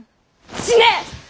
死ね！